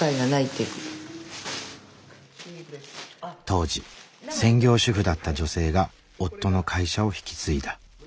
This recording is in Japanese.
当時専業主婦だった女性が夫の会社を引き継いだ。